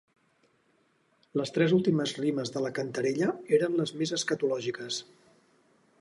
Les tres últimes rimes de la cantarella eren les més escatològiques.